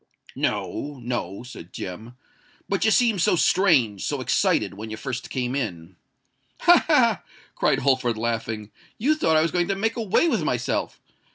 "No—no," said Jem; "but you seemed so strange—so excited—when you first came in——" "Ha! ha!" cried Holford, laughing: "you thought I was going to make away with myself!